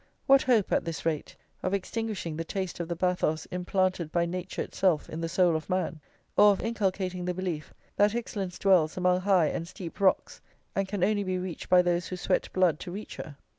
What hope, at this rate, of extinguishing the taste of the bathos implanted by nature itself in the soul of man, or of inculcating the belief that excellence dwells among high and steep rocks, and can only be reached by those who sweat blood to reach her?